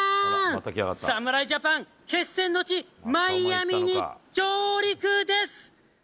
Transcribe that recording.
侍ジャパン決戦の地、マイアミに上陸です。